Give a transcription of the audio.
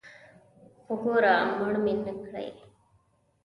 خو ګوره مړ مې نکړې.